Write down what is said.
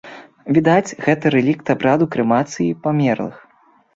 Відаць, гэта рэлікт абраду крэмацыі памерлых.